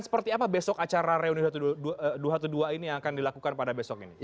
seperti apa besok acara reuni dua ratus dua belas ini yang akan dilakukan pada besok ini